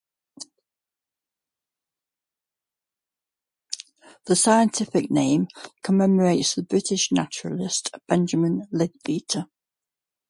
The scientific name commemorates the British naturalist, Benjamin Leadbeater.